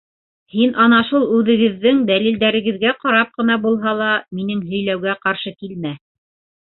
Һин ана шул үҙегеҙҙең дәлилдәрегеҙгә ҡарап ҡына булһа ла, минең һөйләүгә ҡаршы килмә!